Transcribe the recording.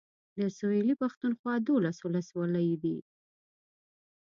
د سويلي پښتونخوا دولس اولسولۍ دي.